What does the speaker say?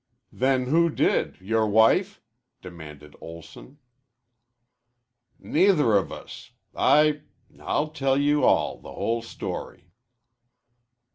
"Then who did yore wife?" demanded Olson. "Neither of us. I I'll tell you all the whole story."